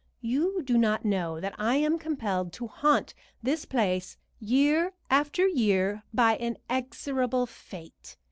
You do not know that I am compelled to haunt this place year after year by inexorable fate.